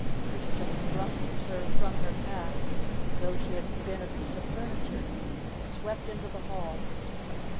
Christian thrust her from her path as though she had been a piece of furniture, and swept into the hall.